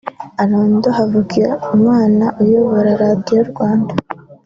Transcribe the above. Aldo Havugimana uyobora Radiyo Rwanda